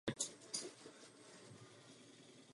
Jsem skutečně přesvědčen, že budeme muset zajít mnohem dále.